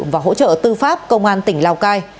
và hỗ trợ tư pháp công an tỉnh lào cai